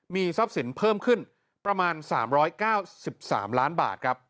มีทรัพย์สินเพิ่มขึ้นประมาณ๓๙๓ล้านบาทครับ